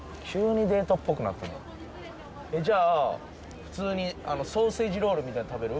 じゃあ普通にソーセージロールみたいなの食べる？